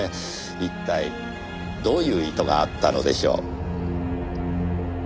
一体どういう意図があったのでしょう？